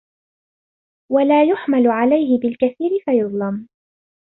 وَلَا يُحْمَلَ عَلَيْهِ بِالْكَثِيرِ فَيُظْلَمُ